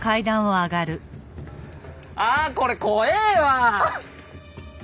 あこれこえわ！